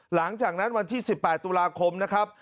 หลังจากนั้นวันที่๑๘ตุลาคมนะครับ